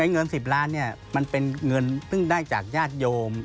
เงิน๑๐ล้านมันเป็นเงินซึ่งได้จากญาติโยม